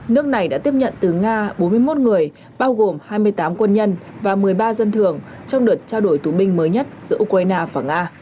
nước này đã tiếp nhận từ nga bốn mươi một người bao gồm hai mươi tám quân nhân và một mươi ba dân thường trong đợt trao đổi tù binh mới nhất giữa ukraine và nga